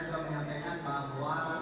sudara juga menyampaikan bahwa